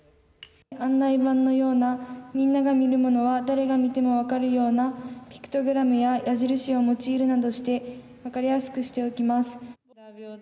案内板のような、皆が見るものは誰が見ても分かるようなピクトグラムや矢印を用いるなどして分かりやすくしておきます。